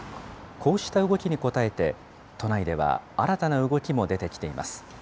こうした動きに応えて、都内では新たな動きも出てきています。